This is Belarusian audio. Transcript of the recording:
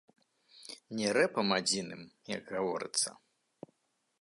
Не рэпам адзіным, як гаворыцца.